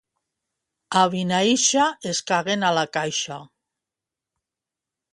A Vinaixa es caguen a la caixa.